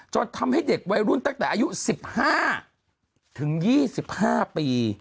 จนทำให้เด็กวัยรุ่นแต่ตายหายุ๑๕ถึง๒๕ปี